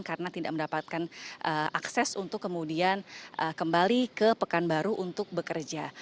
karena tidak mendapatkan akses untuk kemudian kembali ke pekanbaru untuk bekerja